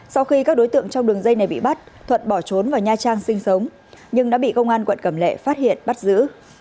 sau khi các đối tượng trong đường dây này bị bắt thuận bỏ trốn vào nha trang sinh sống nhưng đã bị công an quận cẩm lệ phát hiện bắt giữ